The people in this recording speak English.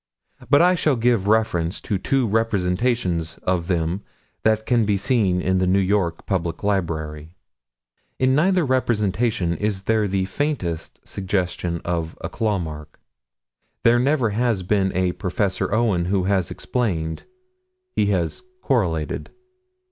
But I shall give reference to two representations of them that can be seen in the New York Public Library. In neither representation is there the faintest suggestion of a claw mark. There never has been a Prof. Owen who has explained: he has correlated.